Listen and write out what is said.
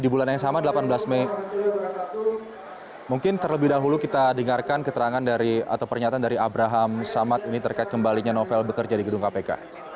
jadi bulan yang sama delapan belas mei mungkin terlebih dahulu kita dengarkan keterangan dari atau pernyataan dari abraham samad ini terkait kembalinya novel bekerja di gedung kpk